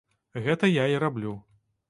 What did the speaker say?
Гэта я і раблю.